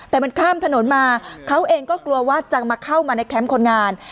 แต่มันข้ามถนนมาเขาเองก็กลัวว่าจะมาเข้ามาในแคมป์คนงาน